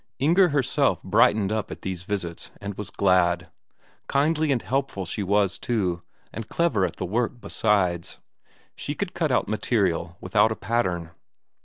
Inger herself brightened up at these visits, and was glad; kindly and helpful she was too, and clever at the work, besides; she could cut out material without a pattern.